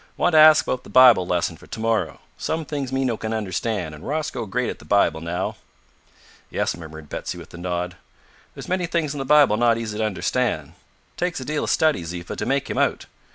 "Want to ask 'bout the Bibil lesson for to morrow. Some things me no can understan', an' Rosco great at the Bibil now." "Yes," murmured Betsy with a nod, "there's many things in the Bibil not easy to understand. Takes a deal o' study, Ziffa, to make him out.